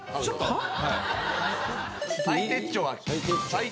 はっ？